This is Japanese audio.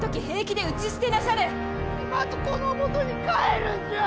妻と子のもとに帰るんじゃあ！